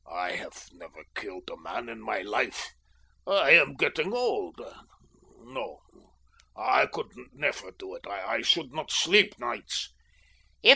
"I have never killed a man in my life. I am getting old. No, I could never do it. I should not sleep nights."